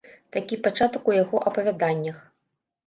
Такі пачатак у яго апавяданнях.